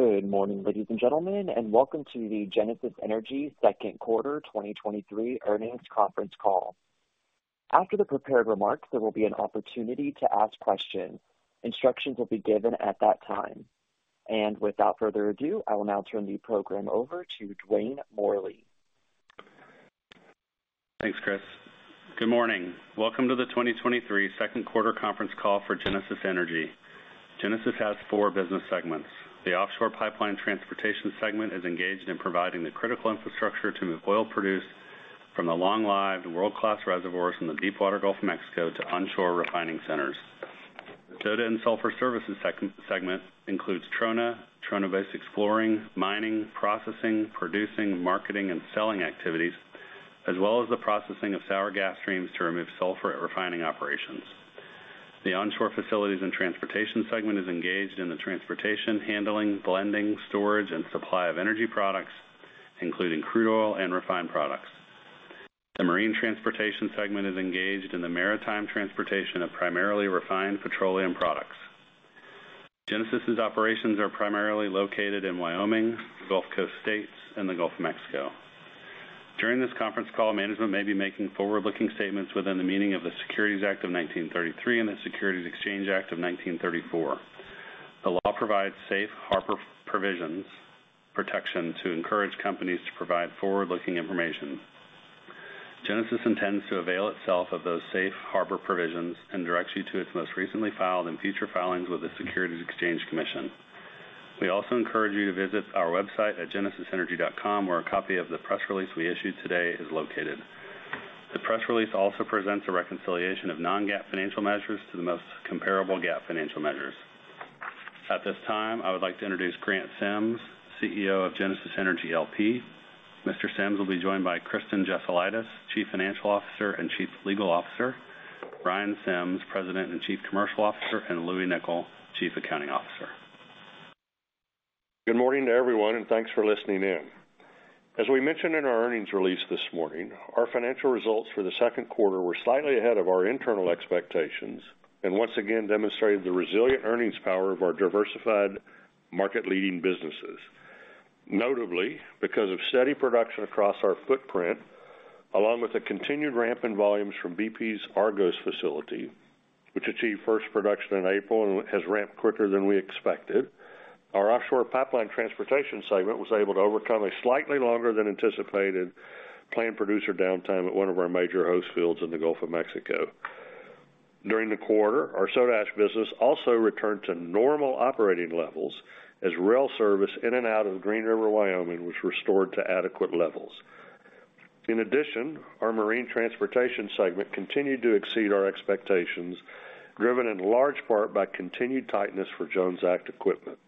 Good morning, ladies and gentlemen, and welcome to the Genesis Energy second quarter 2023 earnings conference call. After the prepared remarks, there will be an opportunity to ask questions. Instructions will be given at that time. Without further ado, I will now turn the program over to Dwayne Morley. Thanks, Chris. Good morning. Welcome to the 2023 second quarter conference call for Genesis Energy. Genesis has four business segments. The offshore pipeline transportation segment is engaged in providing the critical infrastructure to move oil produced from the long-lived world-class reservoirs in the deepwater Gulf of Mexico to onshore refining centers. The soda and sulfur services segment includes trona, trona-based exploring, mining, processing, producing, marketing, and selling activities, as well as the processing of sour gas streams to remove sulfur at refining operations. The onshore facilities and transportation segment is engaged in the transportation, handling, blending, storage, and supply of energy products, including crude oil and refined products. The marine transportation segment is engaged in the maritime transportation of primarily refined petroleum products. Genesis's operations are primarily located in Wyoming, the Gulf Coast states, and the Gulf of Mexico. During this conference call, management may be making forward-looking statements within the meaning of the Securities Act of 1933 and the Securities Exchange Act of 1934. The law provides Safe Harbor Provisions protection to encourage companies to provide forward-looking information. Genesis intends to avail itself of those Safe Harbor Provisions and directs you to its most recently filed and future filings with the Securities and Exchange Commission. We also encourage you to visit our website at genesisenergy.com, where a copy of the press release we issued today is located. The press release also presents a reconciliation of non-GAAP financial measures to the most comparable GAAP financial measures. At this time, I would like to introduce Grant Sims, CEO of Genesis Energy LP. Mr. Sims will be joined by Kristen Jesulaitis, Chief Financial Officer and Chief Legal Officer, Ryan Sims, President and Chief Commercial Officer, and Louie Nicol, Chief Accounting Officer. Good morning to everyone, thanks for listening in. As we mentioned in our earnings release this morning, our financial results for the second quarter were slightly ahead of our internal expectations and once again demonstrated the resilient earnings power of our diversified market-leading businesses. Notably, because of steady production across our footprint, along with the continued ramp in volumes from BP's Argos facility, which achieved first production in April and has ramped quicker than we expected, our Offshore Pipeline Transportation segment was able to overcome a slightly longer than anticipated planned producer downtime at one of our major host fields in the Gulf of Mexico. During the quarter, our soda ash business also returned to normal operating levels as rail service in and out of Green River, Wyoming, was restored to adequate levels. In addition, our Marine Transportation segment continued to exceed our expectations, driven in large part by continued tightness for Jones Act equipment.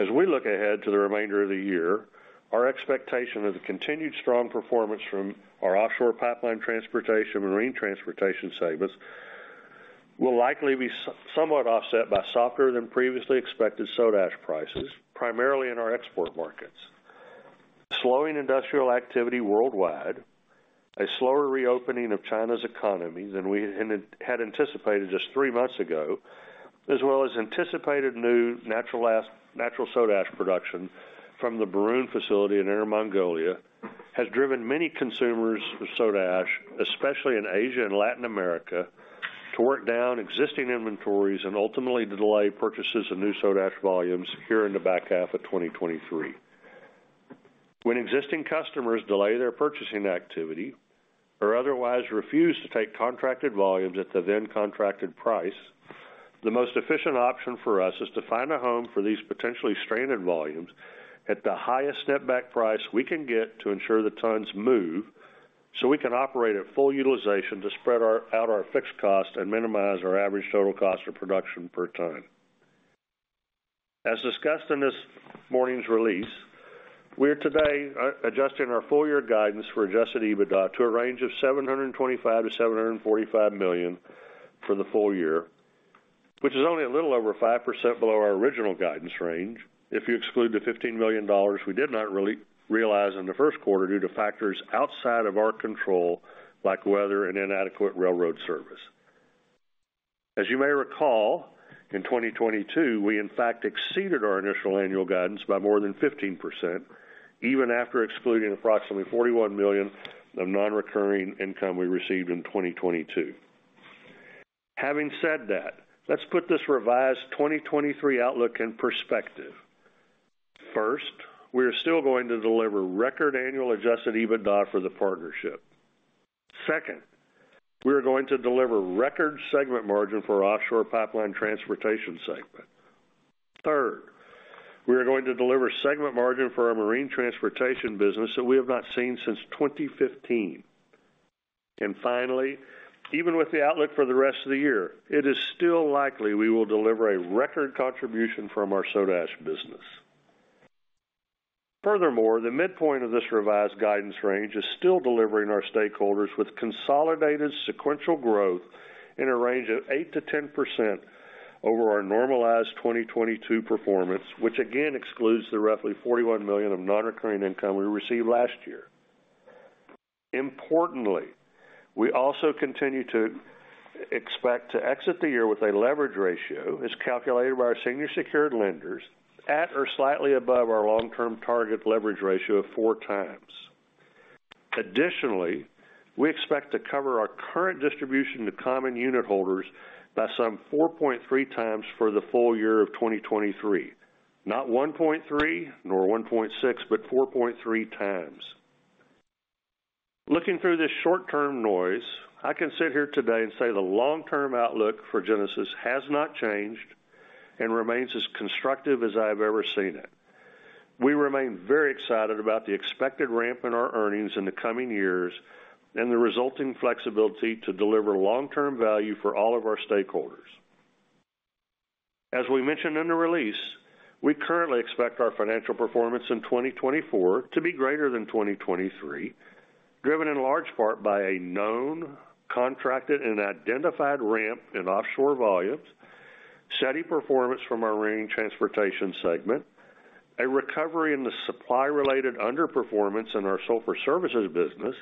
As we look ahead to the remainder of the year, our expectation is a continued strong performance from our Offshore Pipeline Transportation, Marine Transportation segments will likely be somewhat offset by softer than previously expected soda ash prices, primarily in our export markets. Slowing industrial activity worldwide, a slower reopening of China's economy than we had anticipated just three months ago, as well as anticipated new natural soda ash production from the Berun facility in Inner Mongolia, has driven many consumers of soda ash, especially in Asia and Latin America, to work down existing inventories and ultimately to delay purchases of new soda ash volumes here in the back half of 2023. When existing customers delay their purchasing activity or otherwise refuse to take contracted volumes at the then contracted price, the most efficient option for us is to find a home for these potentially stranded volumes at the highest step back price we can get to ensure the tons move, so we can operate at full utilization to spread out our fixed cost and minimize our average total cost of production per ton. As discussed in this morning's release, we are today adjusting our full-year guidance for Adjusted EBITDA to a range of $725 million-$745 million for the full-year, which is only a little over 5% below our original guidance range, if you exclude the $15 million we did not really realize in the 1st quarter due to factors outside of our control, like weather and inadequate railroad service. As you may recall, in 2022, we in fact exceeded our initial annual guidance by more than 15%, even after excluding approximately $41 million of non-recurring income we received in 2022. Having said that, let's put this revised 2023 outlook in perspective. First, we are still going to deliver record annual Adjusted EBITDA for the partnership. Second, we are going to deliver record segment margin for our Offshore Pipeline Transportation segment. Third, we are going to deliver Segment margin for our Marine Transportation business that we have not seen since 2015. Finally, even with the outlook for the rest of the year, it is still likely we will deliver a record contribution from our soda ash business. Furthermore, the midpoint of this revised guidance range is still delivering our stakeholders with consolidated sequential growth in a range of 8%-10% over our normalized 2022 performance, which again excludes the roughly $41 million of non-recurring income we received last year. Importantly, we also continue to expect to exit the year with a leverage ratio, as calculated by our senior secured lenders, at or slightly above our long-term target leverage ratio of 4x. Additionally, we expect to cover our current distribution to common unit holders by some 4.3x for the full-year of 2023. Not 1.3, nor 1.6, but 4.3x. Looking through this short-term noise, I can sit here today and say the long-term outlook for Genesis has not changed and remains as constructive as I have ever seen it. We remain very excited about the expected ramp in our earnings in the coming years and the resulting flexibility to deliver long-term value for all of our stakeholders. As we mentioned in the release, we currently expect our financial performance in 2024 to be greater than 2023, driven in large part by a known, contracted, and identified ramp in offshore volumes, steady performance from our Marine Transportation segment, a recovery in the supply-related underperformance in our Sulfur Services business,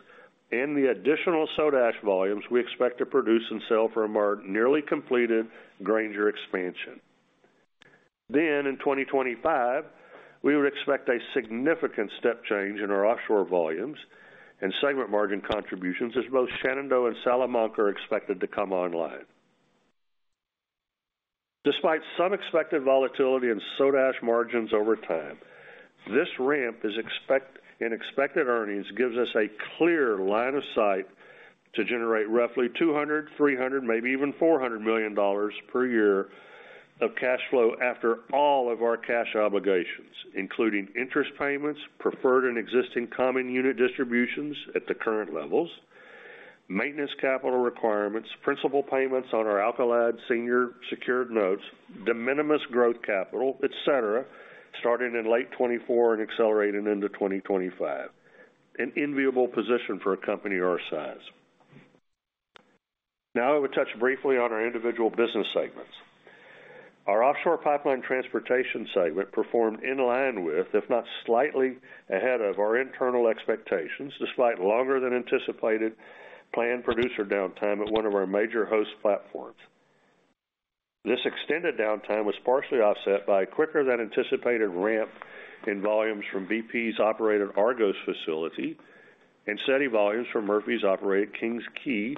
and the additional soda ash volumes we expect to produce and sell from our nearly completed Granger expansion. In 2025, we would expect a significant step change in our Offshore volumes and segment margin contributions, as both Shenandoah and Salamanca are expected to come online. Despite some expected volatility in soda ash margins over time, this ramp in expected earnings gives us a clear line of sight to generate roughly $200 million, $300 million, maybe even $400 million per year of cash flow after all of our cash obligations, including interest payments, preferred and existing common unit distributions at the current levels, maintenance capital requirements, principal payments on our AMKL senior secured notes, de minimis growth capital, et cetera, starting in late 2024 and accelerating into 2025. An enviable position for a company our size. Now I will touch briefly on our individual business segments. Our Offshore Pipeline Transportation segment performed in line with, if not slightly ahead of, our internal expectations, despite longer than anticipated planned producer downtime at one of our major host platforms. This extended downtime was partially offset by a quicker than anticipated ramp in volumes from BP's operated Argos facility and steady volumes from Murphy's operated Kings Quay,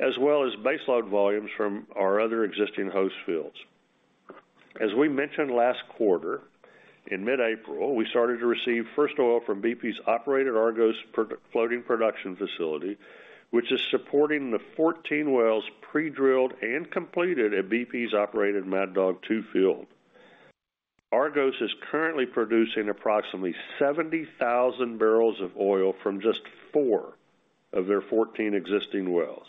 as well as baseload volumes from our other existing host fields. We mentioned last quarter, in mid-April, we started to receive first oil from BP's operated Argos floating production facility, which is supporting the 14 wells pre-drilled and completed at BP's operated Mad Dog 2 field. Argos is currently producing approximately 70,000 barrels of oil from just 4 of their 14 existing wells.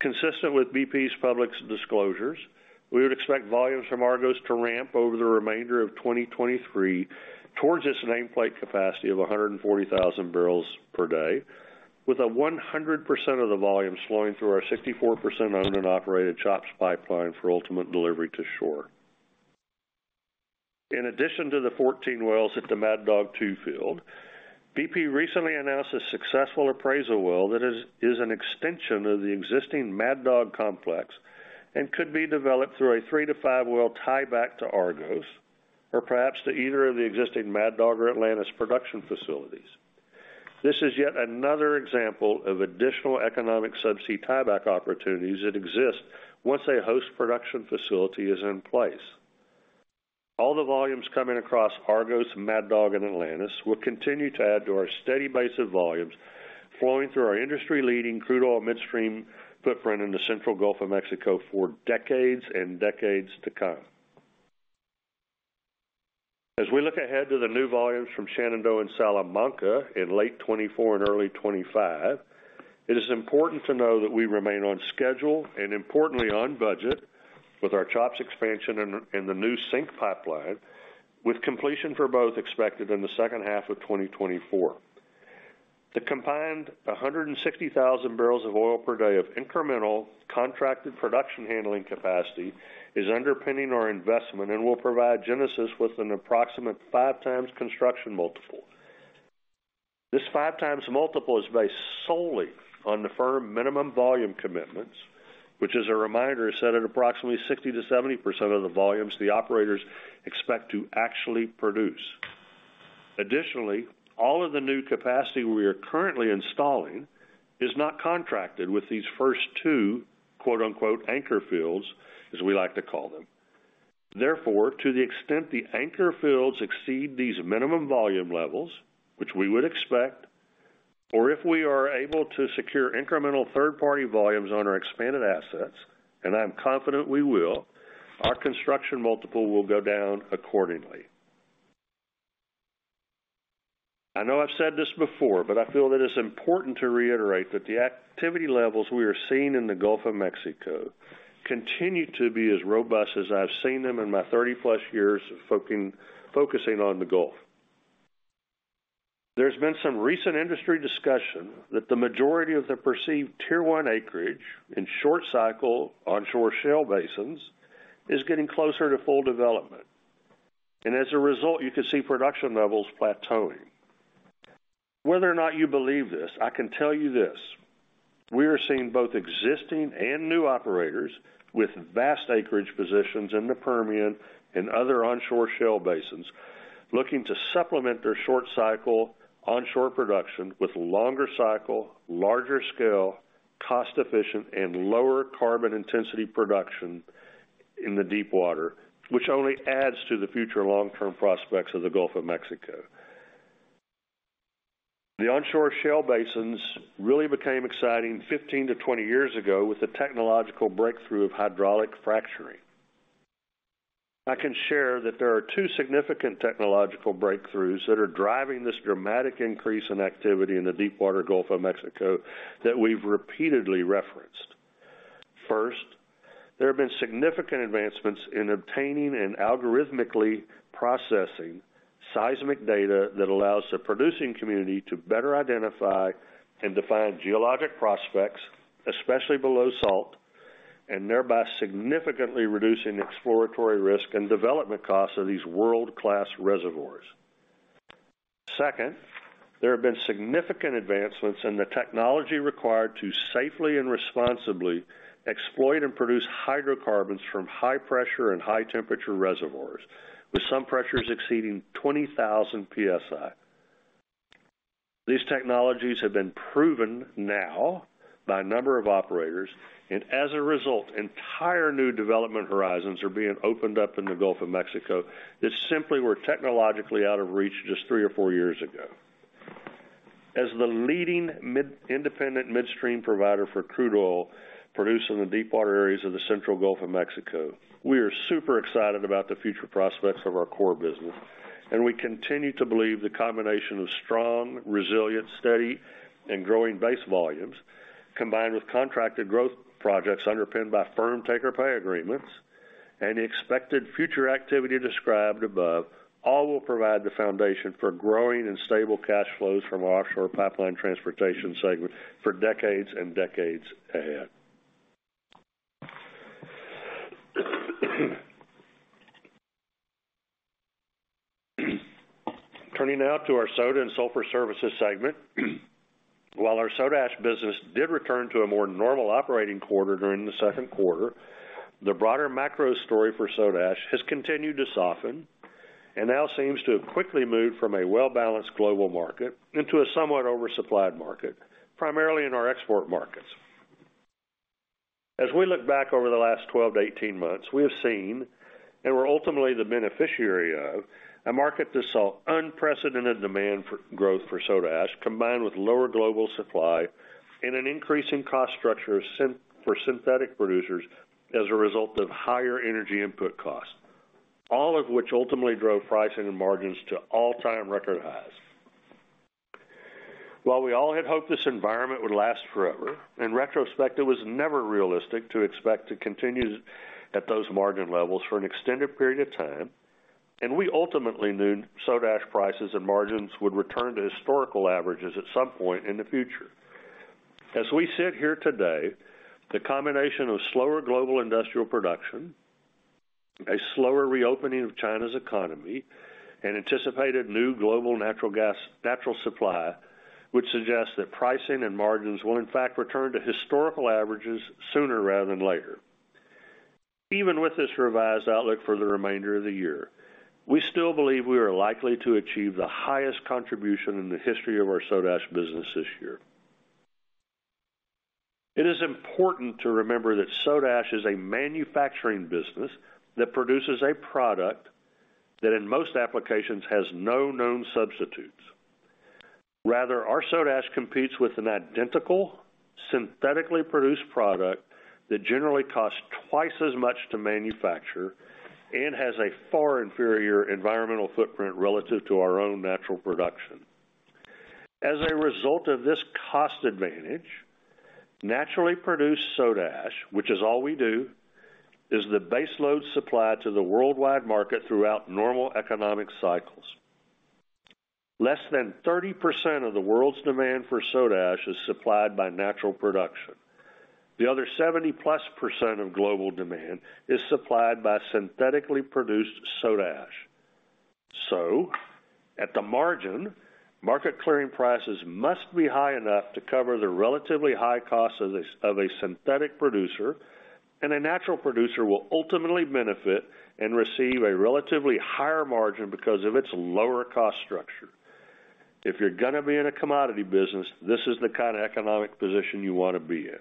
Consistent with BP's public disclosures, we would expect volumes from Argos to ramp over the remainder of 2023 towards its nameplate capacity of 140,000 barrels per day, with a 100% of the volume flowing through our 64% owned and operated CHOPS pipeline for ultimate delivery to shore. In addition to the 14 wells at the Mad Dog 2 field, BP recently announced a successful appraisal well that is an extension of the existing Mad Dog complex and could be developed through a 3-5 well tieback to Argos, or perhaps to either of the existing Mad Dog or Atlantis production facilities. This is yet another example of additional economic subsea tieback opportunities that exist once a host production facility is in place. All the volumes coming across Argos, Mad Dog, and Atlantis will continue to add to our steady base of volumes flowing through our industry-leading crude oil midstream footprint in the central Gulf of Mexico for decades and decades to come. As we look ahead to the new volumes from Shenandoah and Salamanca in late 2024 and early 2025, it is important to know that we remain on schedule and importantly on budget with our CHOPS expansion and the new SYNC pipeline, with completion for both expected in the second half of 2024. The combined 160,000 barrels of oil per day of incremental contracted production handling capacity is underpinning our investment and will provide Genesis with an approximate 5x construction multiple. This 5x multiple is based solely on the firm minimum volume commitments, which as a reminder, is set at approximately 60%-70% of the volumes the operators expect to actually produce. Additionally, all of the new capacity we are currently installing is not contracted with these first two, quote-unquote, anchor fields, as we like to call them. Therefore, to the extent the anchor fields exceed these minimum volume levels, which we would expect, or if we are able to secure incremental third-party volumes on our expanded assets, and I'm confident we will, our construction multiple will go down accordingly. I know I've said this before, but I feel that it's important to reiterate that the activity levels we are seeing in the Gulf of Mexico continue to be as robust as I've seen them in my 30+ years focusing, focusing on the Gulf. There's been some recent industry discussion that the majority of the perceived Tier 1 acreage in short cycle onshore shale basins is getting closer to full development and as a result, you can see production levels plateauing. Whether or not you believe this, I can tell you this: we are seeing both existing and new operators with vast acreage positions in the Permian and other onshore shale basins, looking to supplement their short cycle onshore production with longer cycle, larger scale, cost-efficient, and lower carbon intensity production in the deepwater, which only adds to the future long-term prospects of the Gulf of Mexico. The onshore shale basins really became exciting 15-20 years ago with the technological breakthrough of hydraulic fracturing. I can share that there are 2 significant technological breakthroughs that are driving this dramatic increase in activity in the deepwater Gulf of Mexico that we've repeatedly referenced. First, there have been significant advancements in obtaining and algorithmically processing seismic data that allows the producing community to better identify and define geologic prospects, especially below-salt, and thereby significantly reducing exploratory risk and development costs of these world-class reservoirs. Second, there have been significant advancements in the technology required to safely and responsibly exploit and produce hydrocarbons from high pressure and high temperature reservoirs, with some pressures exceeding 20,000 psi. These technologies have been proven now by a number of operators, and as a result, entire new development horizons are being opened up in the Gulf of Mexico, that simply were technologically out of reach just three or four years ago. As the leading independent midstream provider for crude oil produced in the deepwater areas of the central Gulf of Mexico, we are super excited about the future prospects of our core business, and we continue to believe the combination of strong, resilient, steady, and growing base volumes, combined with contracted growth projects underpinned by firm take-or-pay agreements and the expected future activity described above, all will provide the foundation for growing and stable cash flows from our Offshore Pipeline Transportation segment for decades and decades ahead. Turning now to our Soda and Sulfur Services Segment. While our Soda ash business did return to a more normal operating quarter during the second quarter, the broader macro story for soda ash has continued to soften and now seems to have quickly moved from a well-balanced global market into a somewhat oversupplied market, primarily in our export markets. As we look back over the last twelve to eighteen months, we have seen, and we're ultimately the beneficiary of, a market that saw unprecedented demand for growth for soda ash, combined with lower global supply and an increase in cost structure for synthetic producers as a result of higher energy input costs, all of which ultimately drove pricing and margins to all-time record highs. While we all had hoped this environment would last forever, in retrospect, it was never realistic to expect to continue at those margin levels for an extended period of time, and we ultimately knew soda ash prices and margins would return to historical averages at some point in the future. As we sit here today, the combination of slower global industrial production, a slower reopening of China's economy, and anticipated new global natural supply, which suggests that pricing and margins will, in fact, return to historical averages sooner rather than later. Even with this revised outlook for the remainder of the year, we still believe we are likely to achieve the highest contribution in the history of our soda ash business this year. It is important to remember that soda ash is a manufacturing business that produces a product that, in most applications, has no known substitutes. Rather, our Soda ash competes with an identical, synthetically produced product that generally costs twice as much to manufacture and has a far inferior environmental footprint relative to our own natural production. As a result of this cost advantage, naturally produced soda ash, which is all we do, is the base load supplied to the worldwide market throughout normal economic cycles. Less than 30% of the world's demand for soda ash is supplied by natural production. The other 70+% of global demand is supplied by synthetically produced soda ash. At the margin, market clearing prices must be high enough to cover the relatively high cost of a synthetic producer, and a natural producer will ultimately benefit and receive a relatively higher margin because of its lower cost structure. If you're gonna be in a commodity business, this is the kind of economic position you want to be in.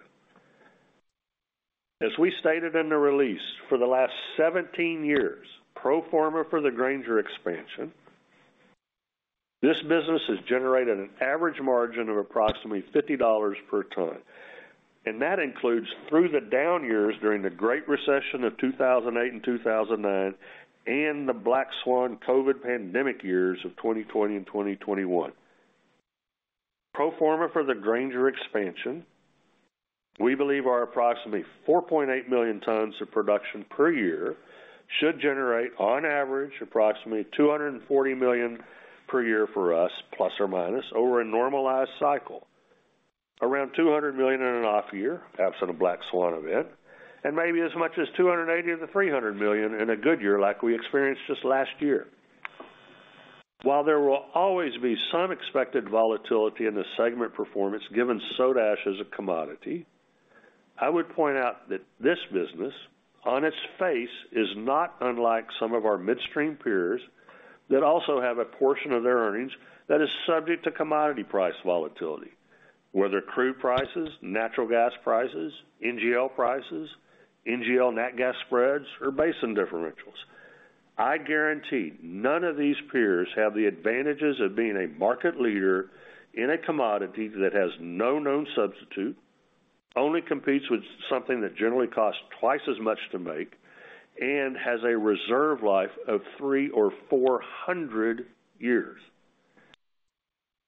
As we stated in the release, for the last 17 years, pro forma for the Granger expansion, this business has generated an average margin of approximately $50 per ton, and that includes through the down years during the Great Recession of 2008 and 2009, and the Black Swan COVID pandemic years of 2020 and 2021. Pro forma for the Granger expansion, we believe our approximately 4.8 million tons of production per year, should generate, on average, approximately $240 million per year for us, plus or minus, over a normalized cycle. Around $200 million in an off year, absent a black swan event, and maybe as much as $280 million-$300 million in a good year like we experienced just last year. While there will always be some expected volatility in the segment performance, given soda ash as a commodity, I would point out that this business, on its face, is not unlike some of our midstream peers that also have a portion of their earnings that is subject to commodity price volatility. Whether crude prices, natural gas prices, NGL prices, NGL net gas spreads, or basin differentials. I guarantee none of these peers have the advantages of being a market leader in a commodity that has no known substitute, only competes with something that generally costs twice as much to make, and has a reserve life of 300 or 400 years.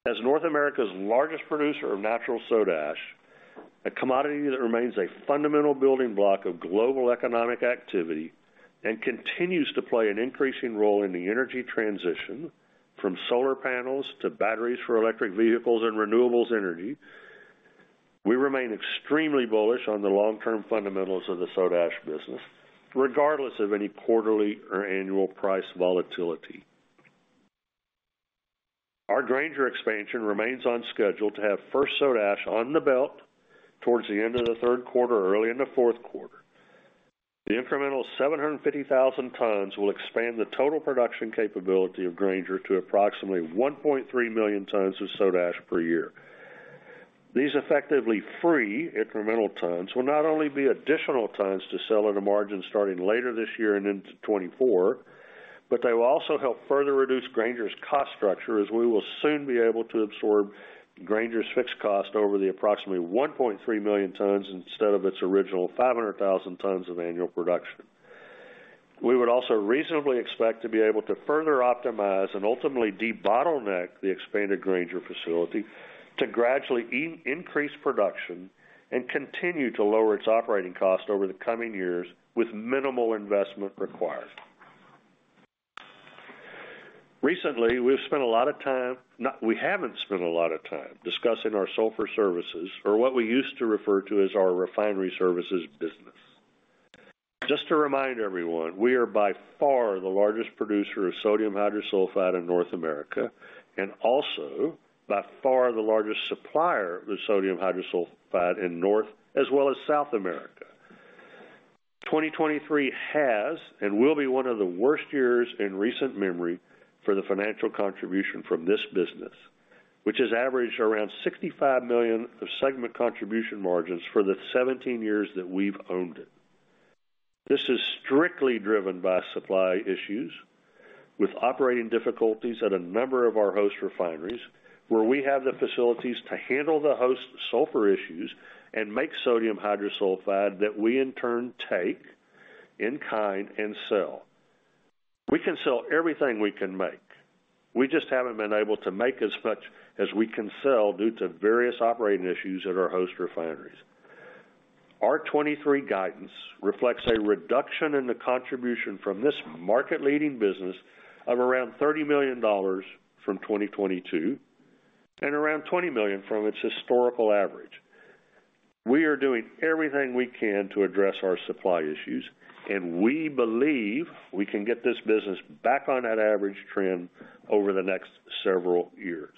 As North America's largest producer of natural soda ash, a commodity that remains a fundamental building block of global economic activity and continues to play an increasing role in the energy transition, from solar panels to batteries for electric vehicles and renewables energy, we remain extremely bullish on the long-term fundamentals of the Soda ash business, regardless of any quarterly or annual price volatility. Our Granger expansion remains on schedule to have first soda ash on the belt towards the end of the third quarter, early in the fourth quarter. The incremental 750,000 tons will expand the total production capability of Granger to approximately 1.3 million tons of soda ash per year. These effectively free incremental tons will not only be additional tons to sell at a margin starting later this year and into 2024, but they will also help further reduce Granger's cost structure, as we will soon be able to absorb Granger's fixed cost over the approximately 1.3 million tons instead of its original 500,000 tons of annual production. We would also reasonably expect to be able to further optimize and ultimately debottleneck the expanded Granger facility to gradually increase production and continue to lower its operating cost over the coming years with minimal investment required. Recently, we've spent a lot of time we haven't spent a lot of time discussing our sulfur services or what we used to refer to as our refinery services business. Just to remind everyone, we are by far the largest producer of sodium hydrosulfide in North America, also by far the largest supplier of the sodium hydrosulfide in North as well as South America. 2023 has and will be one of the worst years in recent memory for the financial contribution from this business, which has averaged around $65 million of segment contribution margins for the 17 years that we've owned it. This is strictly driven by supply issues, with operating difficulties at a number of our host refineries, where we have the facilities to handle the host's sulfur issues and make sodium hydrosulfide that we, in turn, take in kind and sell. We can sell everything we can make. We just haven't been able to make as much as we can sell due to various operating issues at our host refineries. Our 2023 guidance reflects a reduction in the contribution from this market-leading business of around $30 million from 2022, and around $20 million from its historical average. We are doing everything we can to address our supply issues, and we believe we can get this business back on that average trend over the next several years.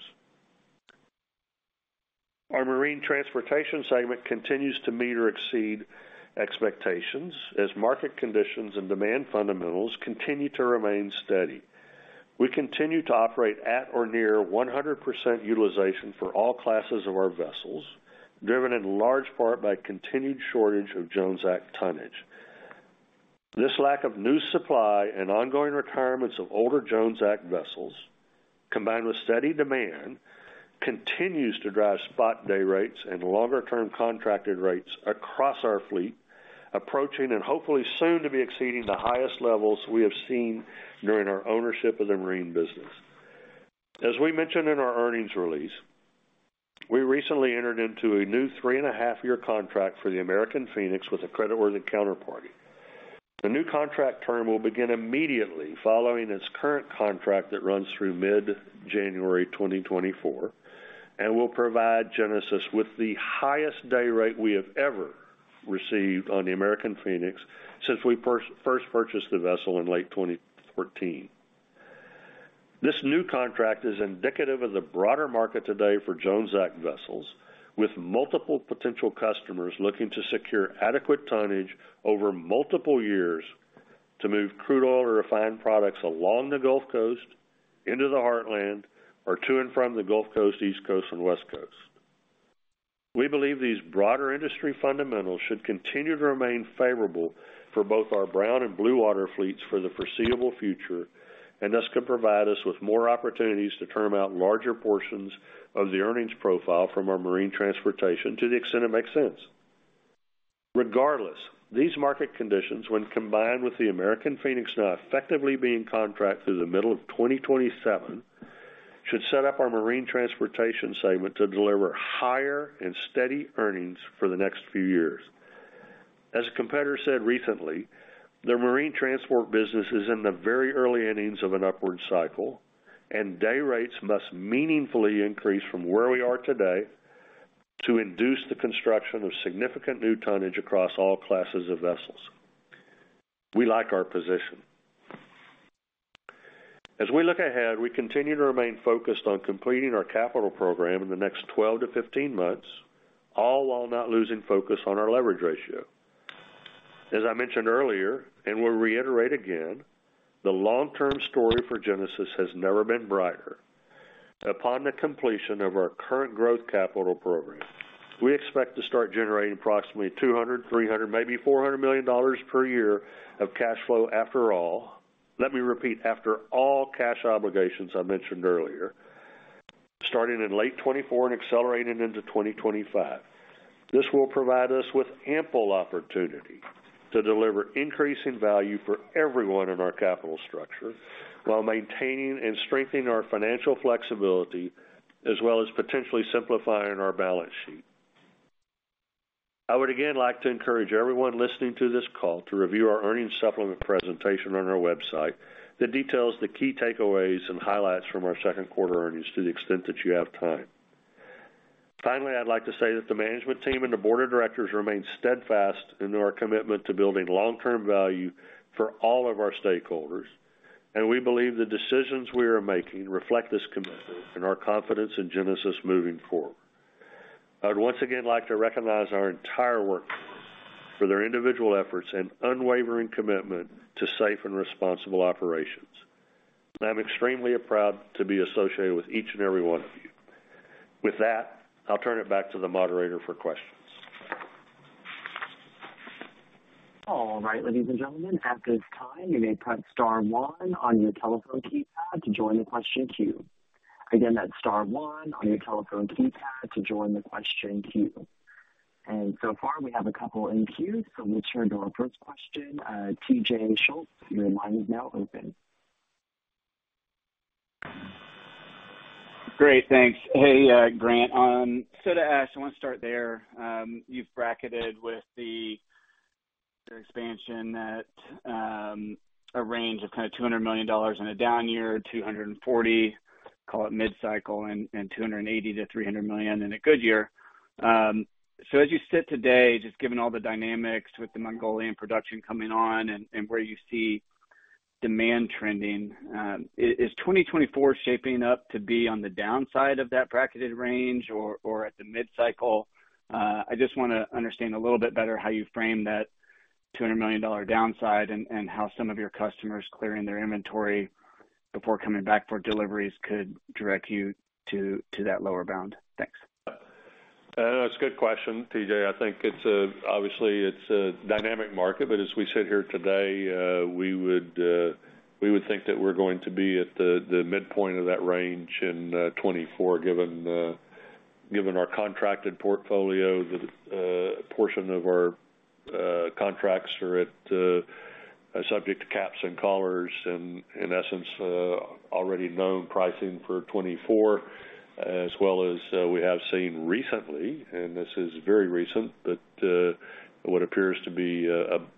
Our Marine Transportation segment continues to meet or exceed expectations as market conditions and demand fundamentals continue to remain steady. We continue to operate at or near 100% utilization for all classes of our vessels, driven in large part by continued shortage of Jones Act tonnage. This lack of new supply and ongoing retirements of older Jones Act vessels, combined with steady demand, continues to drive spot day rates and longer-term contracted rates across our fleet, approaching and hopefully soon to be exceeding the highest levels we have seen during our ownership of the marine business. As we mentioned in our earnings release, we recently entered into a new 3.5-year contract for the American Phoenix with a creditworthy counterparty. The new contract term will begin immediately following its current contract that runs through mid-January 2024, and will provide Genesis with the highest day rate we have ever received on the American Phoenix since we first purchased the vessel in late 2013. This new contract is indicative of the broader market today for Jones Act vessels, with multiple potential customers looking to secure adequate tonnage over multiple years to move crude oil or refined products along the Gulf Coast into the Heartland, or to and from the Gulf Coast, East Coast, and West Coast. We believe these broader industry fundamentals should continue to remain favorable for both our brown and blue water fleets for the foreseeable future, and thus can provide us with more opportunities to term out larger portions of the earnings profile from our Marine Transportation to the extent it makes sense. Regardless, these market conditions, when combined with the American Phoenix, now effectively being contracted through the middle of 2027, should set up our Marine Transportation segment to deliver higher and steady earnings for the next few years. As a competitor said recently, the Marine Transport business is in the very early innings of an upward cycle, and day rates must meaningfully increase from where we are today to induce the construction of significant new tonnage across all classes of vessels. We like our position. As we look ahead, we continue to remain focused on completing our capital program in the next 12-15 months, all while not losing focus on our leverage ratio. As I mentioned earlier, and will reiterate again, the long-term story for Genesis has never been brighter. Upon the completion of our current growth capital program, we expect to start generating approximately $200 million, $300 million, maybe $400 million per year of cash flow after all. Let me repeat, after all cash obligations I mentioned earlier, starting in late 2024 and accelerating into 2025. This will provide us with ample opportunity to deliver increasing value for everyone in our capital structure while maintaining and strengthening our financial flexibility, as well as potentially simplifying our balance sheet. I would again like to encourage everyone listening to this call to review our earnings supplement presentation on our website that details the key takeaways and highlights from our second quarter earnings to the extent that you have time. Finally, I'd like to say that the management team and the board of directors remain steadfast in our commitment to building long-term value for all of our stakeholders. We believe the decisions we are making reflect this commitment and our confidence in Genesis moving forward. I would once again like to recognize our entire workforce for their individual efforts and unwavering commitment to safe and responsible operations. I'm extremely proud to be associated with each and every one of you. With that, I'll turn it back to the moderator for questions. All right, ladies and gentlemen, at this time, you may press Star one on your telephone keypad to join the question queue. Again, that's Star one on your telephone keypad to join the question queue. So far, we have a couple in queue, so we'll turn to our first question. TJ Schultz, your line is now open. Great, thanks. Hey, Grant, on soda ash, I want to start there. You've bracketed with the, the expansion that, a range of kind of $200 million in a down year, $240 million, call it mid-cycle, and $280 million-$300 million in a good year. As you sit today, just given all the dynamics with the Mongolian production coming on and where you see demand trending, is 2024 shaping up to be on the downside of that bracketed range or at the mid-cycle? I just wanna understand a little bit better how you frame that $200 million downside and how some of your customers clearing their inventory before coming back for deliveries could direct you to that lower bound. Thanks. That's a good question, TJ. I think it's obviously, it's a dynamic market, but as we sit here today, we would think that we're going to be at the midpoint of that range in 2024, given the given our contracted portfolio, the portion of our contracts are at subject to caps and collars, and in essence, already known pricing for 2024, as well as we have seen recently, and this is very recent, that what appears to be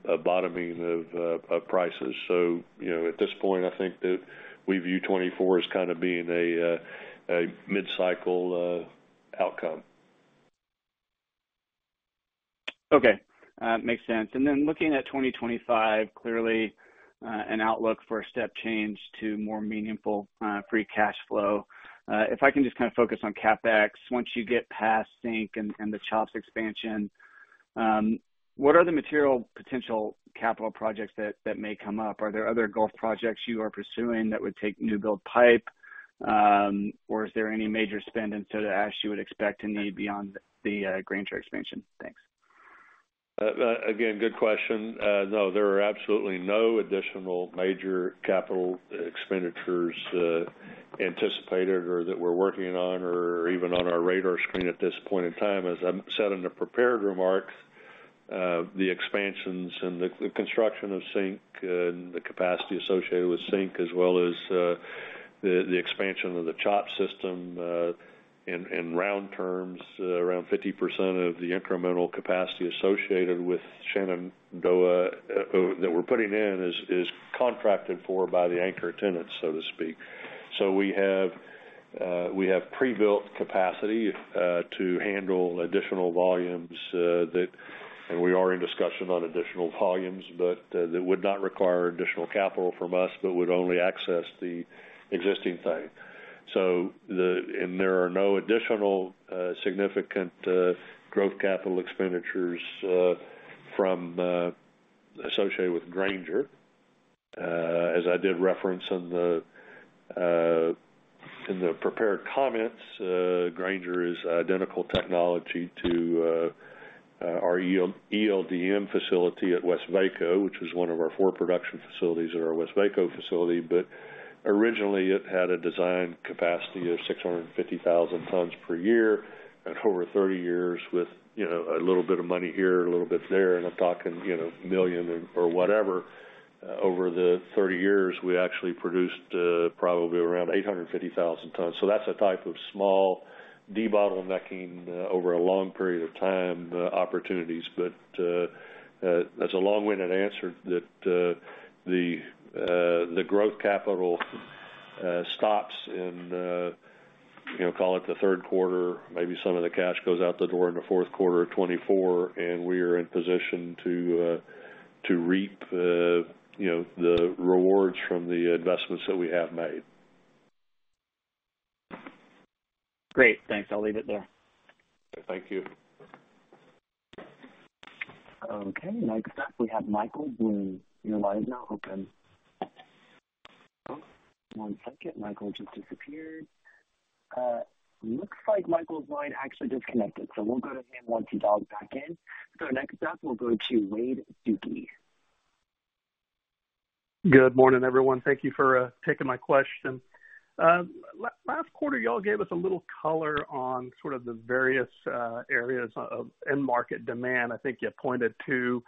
a bottoming of prices. You know, at this point, I think that we view 2024 as kind of being a mid-cycle outcome. Okay, makes sense. Looking at 2025, clearly, an outlook for a step change to more meaningful free cash flow. If I can just kind of focus on CapEx, once you get past SYNC and the CHOPS expansion, what are the material potential capital projects that may come up? Are there other Gulf projects you are pursuing that would take new build pipe, or is there any major spend in soda ash you would expect to need beyond the Granger expansion? Thanks. Again, good question. No, there are absolutely no additional major capital expenditures anticipated or that we're working on or even on our radar screen at this point in time. As I said in the prepared remarks, the expansions and the construction of SYNC and the capacity associated with SYNC, as well as the expansion of the CHOPS system, in round terms, around 50% of the incremental capacity associated with Shenandoah that we're putting in is contracted for by the anchor tenants, so to speak. We have pre-built capacity to handle additional volumes that, and we are in discussion on additional volumes, but that would not require additional capital from us, but would only access the existing thing. And there are no additional, significant, growth capital expenditures, from, associated with Granger. As I did reference in the, in the prepared comments, Granger is identical technology to our ELDM facility at Westvaco, which is one of our four production facilities at our Westvaco facility. Originally, it had a design capacity of 650,000 tons per year, and over 30 years, with, you know, a little bit of money here, a little bit there, and I'm talking, you know, $1 million or whatever. Over the 30 years, we actually produced, probably around 850,000 tons. That's a type of small debottlenecking over a long period of time, opportunities. That's a long-winded answer that. The, the growth capital, stops in the, you know, call it the third quarter, maybe some of the cash goes out the door in the fourth quarter of 2024, and we are in position to, to reap the, you know, the rewards from the investments that we have made. Great. Thanks. I'll leave it there. Thank you. Okay, next up, we have Michael Blum. Your line is now open. 1 second, Michael just disappeared. looks like Michael's line actually disconnected, so we'll go to him once he dials back in. Next up, we'll go to Wade Suki. Good morning, everyone. Thank you for taking my question. Last quarter, y'all gave us a little color on sort of the various areas of end market demand. I think you pointed to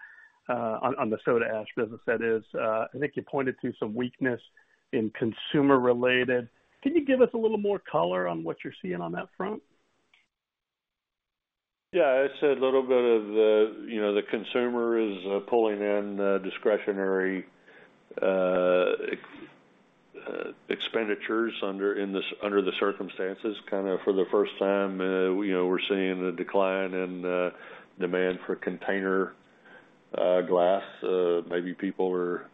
on the Soda ash business that is, I think you pointed to some weakness in consumer-related. Can you give us a little more color on what you're seeing on that front? Yeah, it's a little bit of the, you know, the consumer is pulling in discretionary expenditures under the circumstances, kind of for the first time, you know, we're seeing a decline in demand for container glass. Maybe people are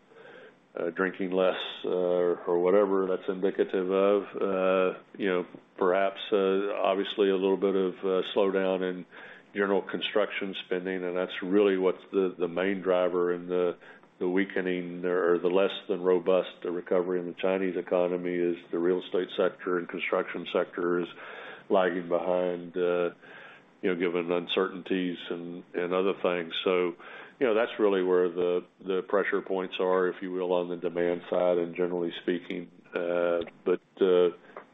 drinking less, or whatever that's indicative of. You know, perhaps, obviously a little bit of a slowdown in general construction spending, and that's really what's the main driver in the weakening there, or the less than robust recovery in the Chinese economy is the real estate sector and construction sector is lagging behind, you know, given uncertainties and other things. You know, that's really where the pressure points are, if you will, on the demand side and generally speaking.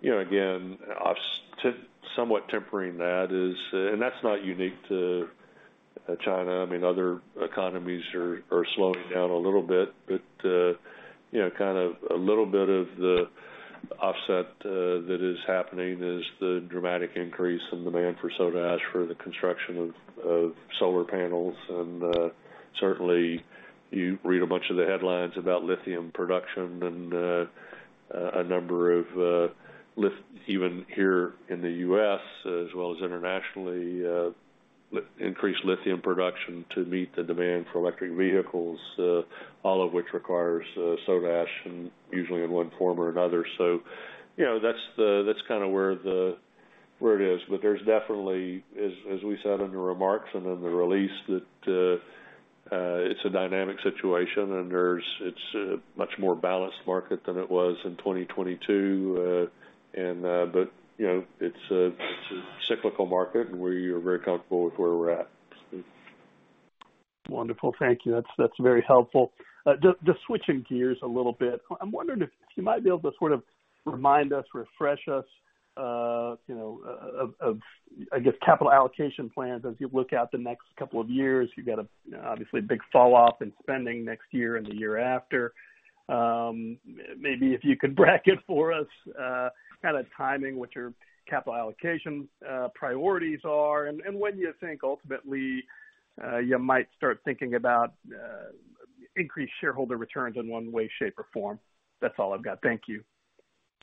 You know, again, to somewhat tempering that is. That's not unique to China. I mean, other economies are slowing down a little bit, but, you know, kind of a little bit of the offset that is happening is the dramatic increase in demand for soda ash for the construction of solar panels. Certainly, you read a bunch of the headlines about lithium production and a number of even here in the U.S., as well as internationally, increased lithium production to meet the demand for electric vehicles, all of which requires soda ash, and usually in one form or another. You know, that's kind of where the, where it is. There's definitely, as, as we said in the remarks and in the release, that it's a dynamic situation, and there's, it's a much more balanced market than it was in 2022. You know, it's a, it's a cyclical market, and we are very comfortable with where we're at. Wonderful. Thank you. That's, that's very helpful. Just, just switching gears a little bit. I'm wondering if you might be able to sort of remind us, refresh us, you know, of, I guess, capital allocation plans as you look out the next 2 years. You've got a, obviously, big falloff in spending next year and the year after. Maybe if you could bracket for us, kind of timing, what your capital allocation, priorities are, and when you think ultimately, you might start thinking about, increased shareholder returns in one way, shape, or form. That's all I've got. Thank you.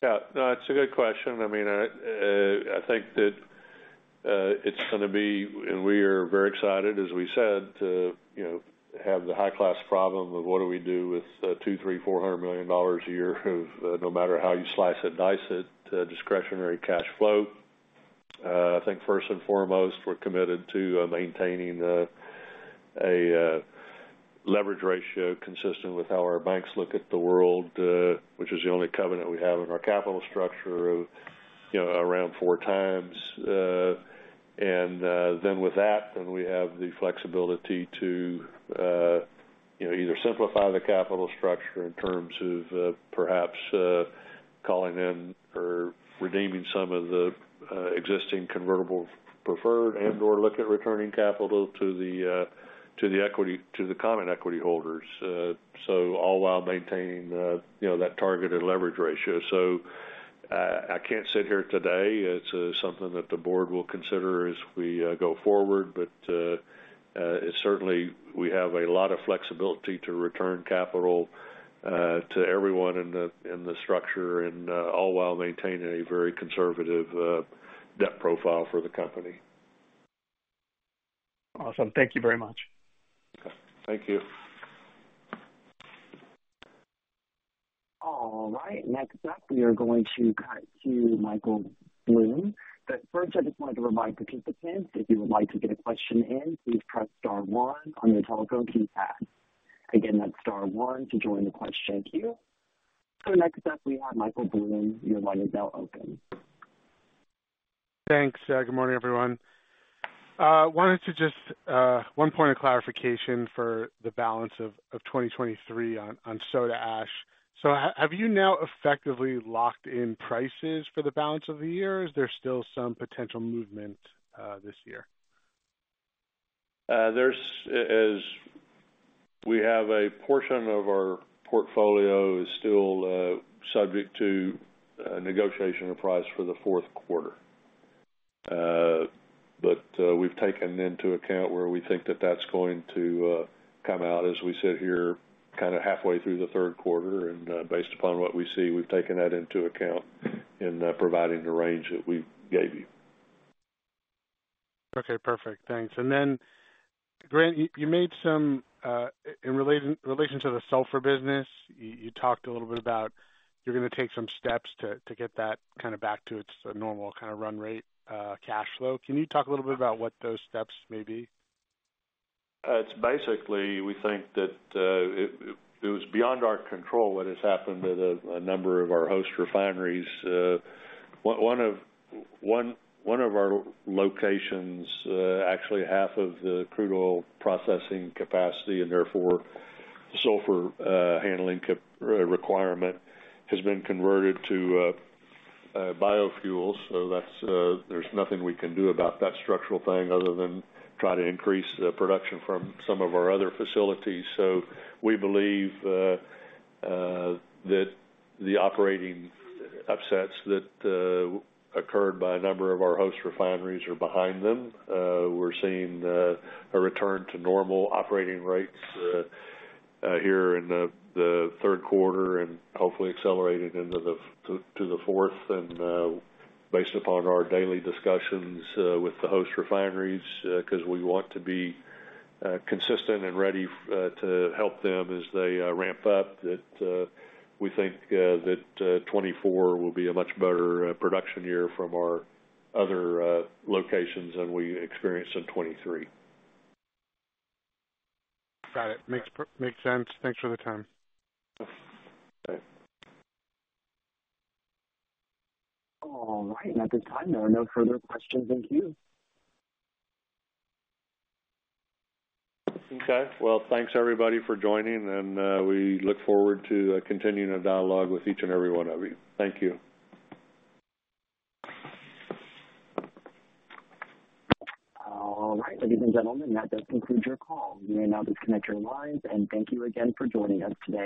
Yeah. No, it's a good question. I mean, I think that it's gonna be, and we are very excited, as we said, to, you know, have the high-class problem of what do we do with, $200 million-$400 million a year of, no matter how you slice it, dice it, discretionary cash flow. I think first and foremost, we're committed to maintaining a leverage ratio consistent with how our banks look at the world, which is the only covenant we have in our capital structure of, you know, around 4x. With that, then we have the flexibility to, you know, either simplify the capital structure in terms of, perhaps, calling in or redeeming some of the existing convertible preferred and/or look at returning capital to the, to the equity-- to the common equity holders, so all while maintaining, you know, that targeted leverage ratio. I can't sit here today. It's something that the board will consider as we go forward, but, certainly, we have a lot of flexibility to return capital to everyone in the, in the structure and all while maintaining a very conservative debt profile for the company. Awesome. Thank you very much. Okay. Thank you. All right, next up, we are going to cut to Michael Blum. But first, I just wanted to remind participants, if you would like to get a question in, please press Star one on your telephone keypad. Again, that's Star one to join the question queue. Next up, we have Michael Blum. Your line is now open. Thanks. Good morning, everyone. Wanted to just one point of clarification for the balance of 2023 on soda ash. Have you now effectively locked in prices for the balance of the year, or is there still some potential movement this year? There's, as we have a portion of our portfolio is still subject to negotiation of price for the fourth quarter. We've taken into account where we think that that's going to come out as we sit here kind of halfway through the third quarter. Based upon what we see, we've taken that into account in providing the range that we gave you. Okay, perfect. Thanks. Grant, you, you made some in relation to the sulfur business, you, you talked a little bit about you're gonna take some steps to, to get that kind of back to its normal kind of run rate, cash flow. Can you talk a little bit about what those steps may be? It's basically, we think that it was beyond our control what has happened with a number of our host refineries. One of our locations, actually half of the crude oil processing capacity, and therefore the sulfur handling requirement, has been converted to biofuels. That's nothing we can do about that structural thing other than try to increase the production from some of our other facilities. We believe that the operating upsets that occurred by a number of our host refineries are behind them. We're seeing a return to normal operating rates here in the third quarter and hopefully accelerating into the fourth. Based upon our daily discussions, with the host refineries, because we want to be consistent and ready to help them as they ramp up, that we think that 2024 will be a much better production year from our other locations than we experienced in 2023. Got it. Makes sense. Thanks for the time. Okay. All right. At this time, there are no further questions in queue. Okay. Well, thanks, everybody, for joining, and we look forward to continuing a dialogue with each and every one of you. Thank you. All right, ladies and gentlemen, that does conclude your call. You may now disconnect your lines. Thank you again for joining us today.